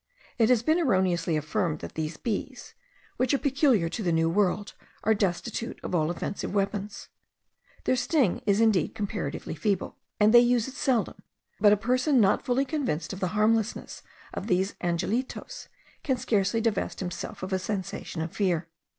It has been erroneously affirmed that these bees, which are peculiar to the New World, are destitute of all offensive weapons. Their sting is indeed comparatively feeble, and they use it seldom; but a person, not fully convinced of the harmlessness of these angelitos, can scarcely divest himself of a sensation of fear.